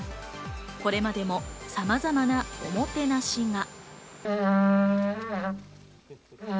これまでもさまざまなおもてなしが。